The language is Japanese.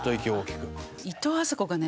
いとうあさこがね